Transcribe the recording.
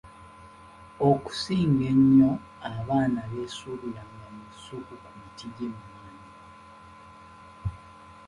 Okusinga ennyo abaana beesuubiranga mu lusuku ku miti gy’emimwanyi.